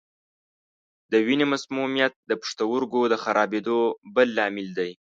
د وینې مسمومیت د پښتورګو د خرابېدو بل لامل دی.